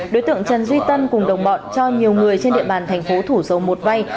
đối tượng trần duy tân cùng đồng bọn cho nhiều người trên địa bàn tp thủ dâu một vai